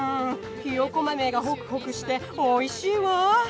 ひよこ豆がホクホクしておいしいわ。